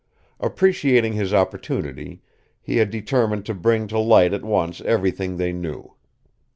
Appreciating his opportunity, he had determined to bring to light at once everything they knew.